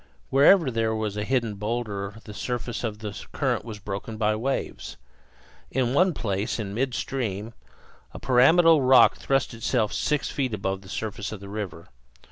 Wherever there was a hidden boulder the surface of the current was broken by waves. In one place, in midstream, a pyramidal rock thrust itself six feet above the surface of the river.